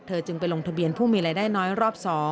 จึงไปลงทะเบียนผู้มีรายได้น้อยรอบ๒